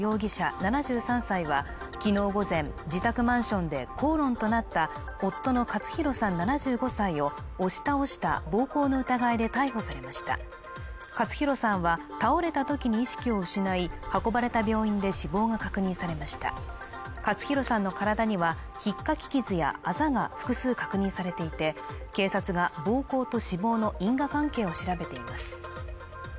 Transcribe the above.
７３歳は昨日午前自宅マンションで口論となった夫の勝弘さん７５歳を押し倒した暴行の疑いで逮捕されました勝弘さんは倒れた時に意識を失い運ばれた病院で死亡が確認されました勝弘さんの体にはひっかき傷やあざが複数確認されていて警察が暴行と死亡の因果関係を調べています